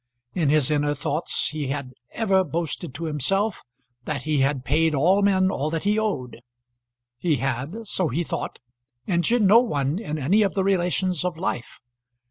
In his inner thoughts he had ever boasted to himself that he had paid all men all that he owed. He had, so he thought, injured no one in any of the relations of life.